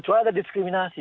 kecuali ada diskriminasi